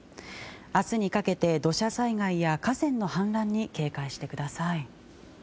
明日にかけて土砂災害や河川の氾濫に警戒してください。